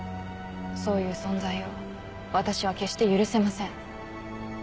そういう存在を私は決して許せません。